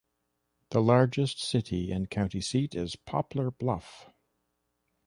The largest city and county seat is Poplar Bluff.